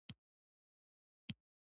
زما خور یوه زړوره نجلۍ ده